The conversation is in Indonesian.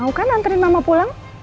mau kan nganterin mama pulang